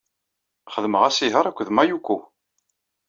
Xedmeɣ asihaṛ akked Mayuko.